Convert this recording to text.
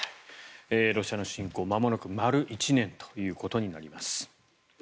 ロシアの侵攻まもなく丸１年となります。